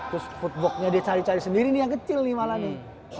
terus footbacknya dia cari cari sendiri nih yang kecil nih malah nih